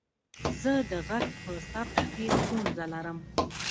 زه د غږ په ثبت کې ستونزه لرم.